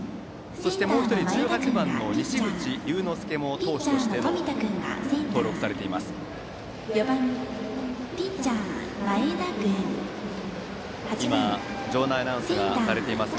そしてもう１人、１８番の西口竜ノ介も投手として登録されています。